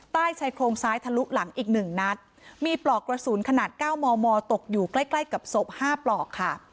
ใต้ชายโครงซ้ายทะลุหลังอีกหนึ่งนัดมีปลอกกระสุนขนาดเก้ามอมอตกอยู่ใกล้ใกล้กับศพ๕ปลอกค่ะ